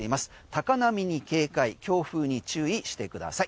高波に警戒強風に注意してください。